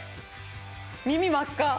耳真っ赤。